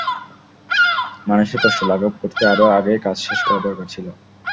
মানুষের কষ্ট লাঘব করতে আরও আগেই কাজ শেষ করার দরকার ছিল।